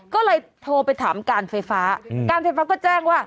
ก็เลยโทรไปถามการไฟฟ้าการไฟฟ้าก็แจ้งว่า